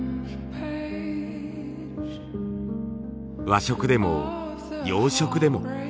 和食でも洋食でも。